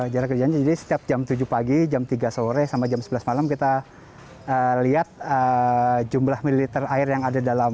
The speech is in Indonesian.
jarak kerjanya jadi setiap jam tujuh pagi jam tiga sore sampai jam sebelas malam kita lihat jumlah militer air yang ada dalam